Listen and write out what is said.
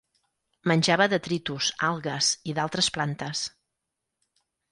Menjava detritus, algues i d'altres plantes.